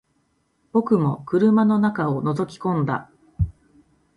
僕も車の中を覗き込んだ